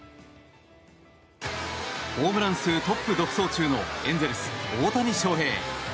ホームラン数トップ独走中のエンゼルス、大谷翔平。